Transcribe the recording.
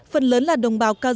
phần lớn là đồng bào ca rông